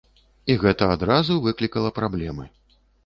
І гэта адразу выклікала праблемы.